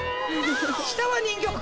下は人形か。